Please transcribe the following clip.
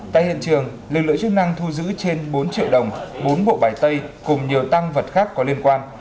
tại hiện trường lực lượng chức năng thu giữ trên bốn triệu đồng bốn bộ bài tay cùng nhiều tăng vật khác có liên quan